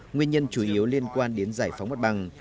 nguyên nhân chủ yếu liên quan đến giải phóng mặt bằng